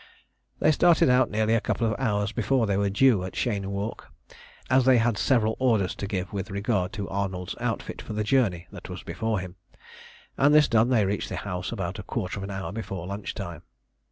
They started out nearly a couple of hours before they were due at Cheyne Walk, as they had several orders to give with regard to Arnold's outfit for the journey that was before him; and this done, they reached the house about a quarter of an hour before lunch time.